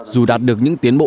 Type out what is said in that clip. dù đạt được những tiến bộ